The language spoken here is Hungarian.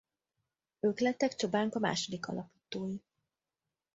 Ők lettek Csobánka második alapítói.